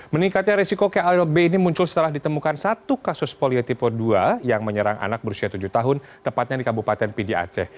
meningkatnya resiko klb ini muncul setelah ditemukan satu kasus polio tipe dua yang menyerang anak berusia tujuh tahun tepatnya di kabupaten pdi aceh